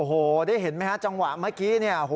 โอ้โหได้เห็นไหมฮะจังหวะเมื่อกี้เนี่ย